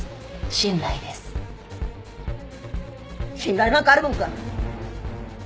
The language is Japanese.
信頼なんかあるもんか